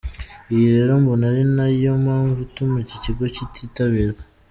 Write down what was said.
Iyi rero mbona ari na yo mpamvu ituma iki kigo kititabirwa».